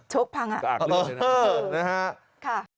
ชกพังอ่ะค่ะ